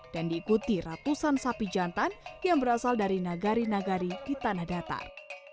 dan diikuti ratusan sapi jantan yang berasal dari nagari nagari di tanah datar